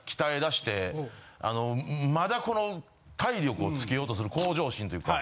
まだこの体力をつけようとする向上心というか。